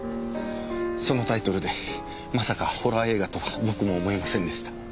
そのタイトルでまさかホラー映画とは僕も思いませんでした。